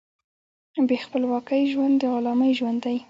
بې خپلواکۍ ژوند د غلامۍ ژوند دی.